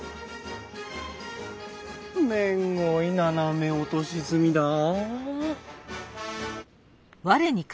めんごい斜め落とし積みだあ。